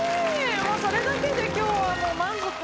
もうそれだけで今日は満足。